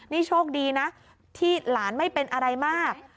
นี่โชคดีนะที่หลานไม่เป็นอะไรมาก